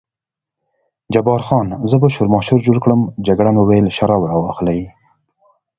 جبار خان: زه به شورماشور جوړ کړم، جګړن وویل شراب را واخلئ.